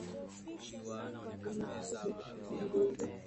Vijana hao huenda kupiga mbizi